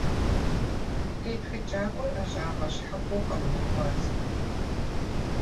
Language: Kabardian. Тетхыкӏакӏуэр ӏэщӏагъэ щхьэхуэу къэунэхуащ.